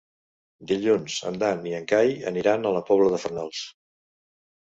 Dilluns en Dan i en Cai aniran a la Pobla de Farnals.